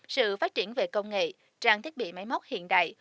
sự phát triển về công nghệ trang thiết bị máy móc hiện đại